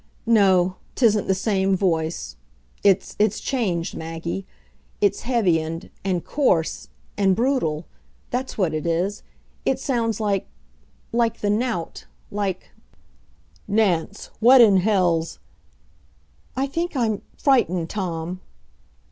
No 'tisn't the same voice. It's it's changed, Maggie. It's heavy and and coarse and brutal. That's what it is. It sounds like like the knout, like "Nance what in hell's " "I think I'm frightened, Tom."